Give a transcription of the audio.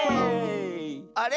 あれ？